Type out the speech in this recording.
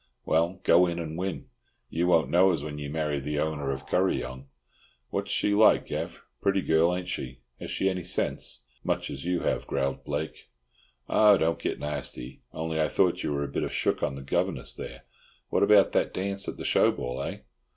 Well, go in and win. You won't know us when you marry the owner of Kuryong. What's she like, Gav? Pretty girl, ain't she? Has she any sense?" "Much as you have," growled Blake. "Oh, don't get nasty. Only I thought you were a bit shook on the governess there—what about that darnce at the Show ball, eh?